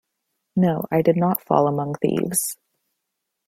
No, I did not fall among thieves.